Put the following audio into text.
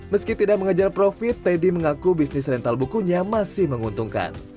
meski tidak mengejar profit teddy mengaku bisnis rental bukunya masih menguntungkan